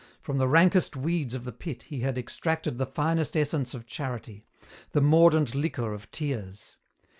From the rankest weeds of the pit he had extracted the finest essence of charity, the mordant liquor of tears.